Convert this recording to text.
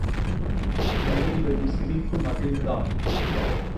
நீதிபதி சிரித்து மகிழ்ந்தார்.